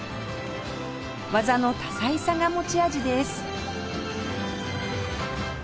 技の多彩さが持ち味です